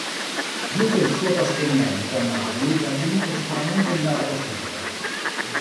Dunque il suo trasferimento a Napoli è avvenuto sicuramente in data posteriore.